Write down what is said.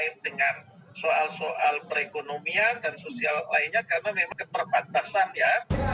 terkait dengan soal soal perekonomian dan sosial lainnya karena memang keterbatasan ya